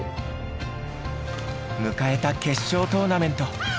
迎えた決勝トーナメント。